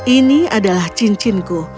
ini adalah cincinku